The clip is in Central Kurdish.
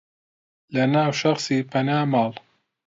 لەناو شەخسی پەنا ماڵ